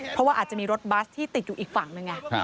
เพราะว่าอาจจะมีรถบัสที่ติดอยู่อีกฝั่งหนึ่ง